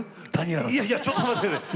いやいやちょっと待ってください。